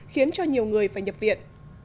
khiến cho nhiều người phải nhập viện